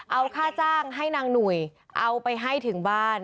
เอาค่าจ้างให้นางหนุ่ยเอาไปให้ถึงบ้าน